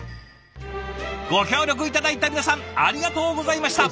ご協力頂いた皆さんありがとうございました。